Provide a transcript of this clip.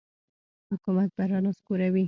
حکومت به را نسکوروي.